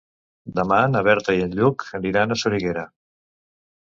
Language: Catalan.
Demà na Berta i en Lluc aniran a Soriguera.